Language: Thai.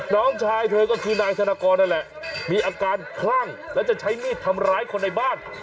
น้องชายเธอก็คือนายธนกรนั่นแหละมีอาการคลั่งแล้วจะใช้มีดทำร้ายคนในบ้าน